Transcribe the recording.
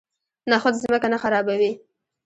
نخود ځمکه نه خرابوي.